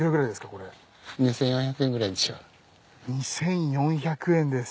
２，４００円です。